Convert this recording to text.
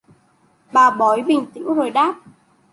bà bói bình tĩnh rồi đáp